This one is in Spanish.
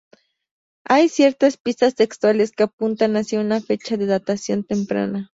Hay ciertas pistas textuales que apuntan hacia una fecha de datación temprana.